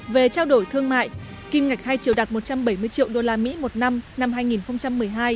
về trao đổi thương mại kim ngạch hai triệu đạt một trăm bảy mươi triệu usd một năm năm hai nghìn một mươi hai